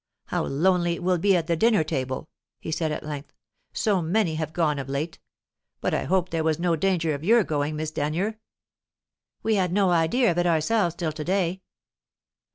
"How lonely it will be at the dinner table!" he said at length. "So many have gone of late. But I hoped there was no danger of your going, Miss Denyer." "We had no idea of it ourselves till to day."